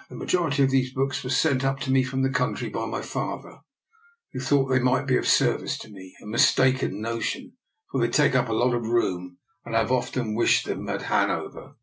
" The majority of these books were sent up to me from the country by my father, who thought they might be of service to me. A mistaken notion, for they take up a lot of room, and I've often wished them at Hanover."